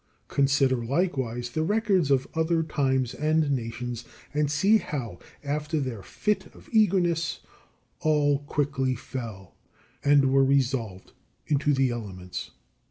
Consider, likewise, the records of other times and nations, and see how, after their fit of eagerness, all quickly fell, and were resolved into the elements.